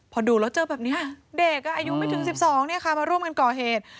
พอดูแล้วเจอแบบนี้เด็กอายุไม่ถึง๑๒มาร่วมกันก่อเหตุ